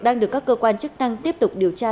đang được các cơ quan chức năng tiếp tục điều tra